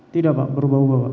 tidak pak berubah ubah pak